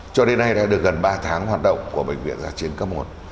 cho đến nay đã được gần ba tháng hoạt động của bệnh viện giã chiến cấp một